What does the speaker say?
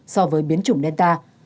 so với biến chủng delta